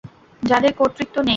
যাদের কর্তৃত্ব নেই।